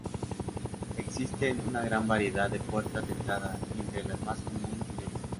Existen una gran variedad de puertas de entrada y entre las más comunes tenemos.